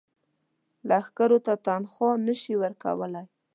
لښکرو ته تنخوا نه شي ورکولای.